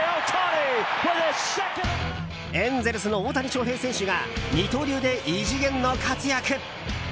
エンゼルスの大谷翔平選手が二刀流で異次元の活躍！